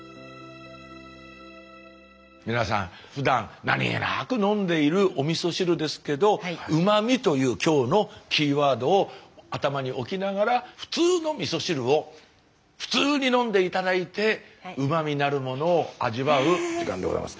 皆さんふだん何気なく飲んでいるおみそ汁ですけど「うま味」という今日のキーワードを頭に置きながら普通のみそ汁を普通に飲んで頂いてうま味なるものを味わう時間でございます。